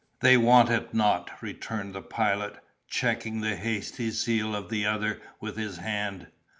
"They want it not," returned the Pilot, checking the hasty zeal of the other with his hand.